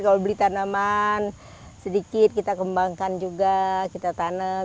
kalau beli tanaman sedikit kita kembangkan juga kita tanam